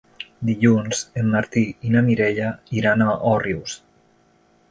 Dilluns en Martí i na Mireia iran a Òrrius.